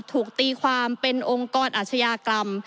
ถูกตีความเป็นองค์กรอาชญากรรม